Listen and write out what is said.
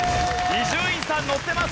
伊集院さんノッてます。